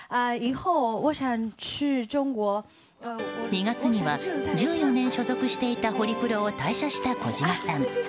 ２月には、１４年所属していたホリプロを退社した小島さん。